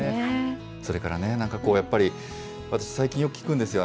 それからね、なんかこうやっぱり、私、最近よく聞くんですよ、